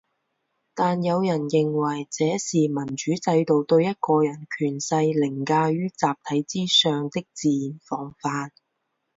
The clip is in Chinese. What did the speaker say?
但有人认为这是民主制度对一个人权势凌驾于集体之上的自然防范。